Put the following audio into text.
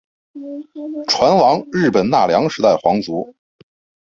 船王日本奈良时代皇族。